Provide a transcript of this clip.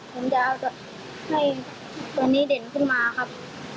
เพาะว่ามีเก่าฟรรดิที่นักความคิดว่ามีบริษัท